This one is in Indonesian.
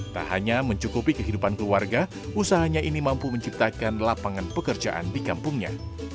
tak hanya mencukupi kehidupan keluarga usahanya ini mampu menciptakan lapangan pekerjaan di kampungnya